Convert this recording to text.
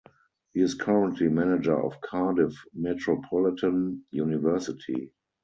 He is currently manager of Cardiff Metropolitan University.